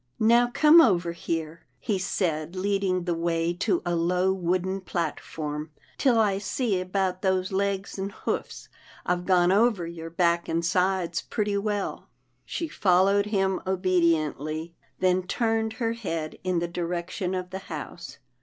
" Now come over here," he said leading the way to a low wooden platform, " till I see about those legs and hoofs. I've gone over your back and sides pretty well." 212 PERLETTA'S PETS 213 She followed him obediently, then turned her head in the direction of the house.